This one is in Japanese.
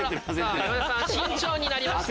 山田さん慎重になりました。